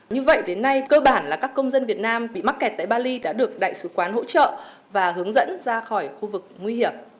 như vậy đến nay cơ bản là các công dân việt nam bị mắc kẹt tại bali đã được đại sứ quán hỗ trợ và hướng dẫn ra khỏi khu vực nguy hiểm